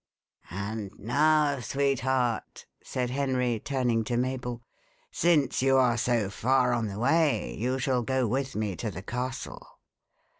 "And now, sweetheart," said Henry, turning to Mabel, "since you are so far on the way, you shall go with me to the castle."